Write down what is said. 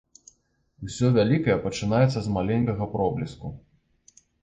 Усё вялікае пачынаецца з маленькага пробліску.